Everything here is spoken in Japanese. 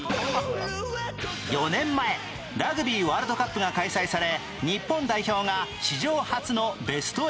４年前ラグビーワールドカップが開催され日本代表が史上初のベスト８に